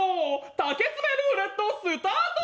丈詰めルーレット、スタート。